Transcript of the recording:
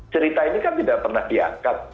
cerita ini kan tidak pernah diangkat